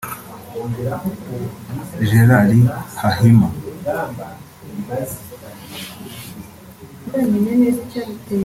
Gerald Hahima